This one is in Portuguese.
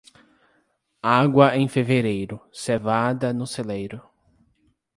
Água em fevereiro, cevada no celeiro.